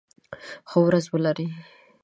ښه ورځ ولری